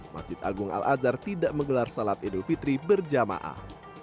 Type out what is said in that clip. masjid agung al azhar tidak menggelar salat idul fitri berjamaah